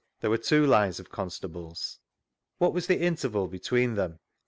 — There were two lines of constables. What was the interval between them?